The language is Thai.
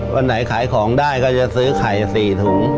วันไหนขายของได้ก็จะซื้อไข่๔ถุง